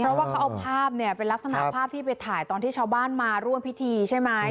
เพราะว่าเขาเอาภาพเนี่ยเป็นลักษณะภาพที่ไปถ่ายตอนที่ชาวบ้านมาร่วมพิธีใช่ไหม